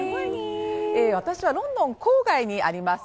私はロンドン郊外にあります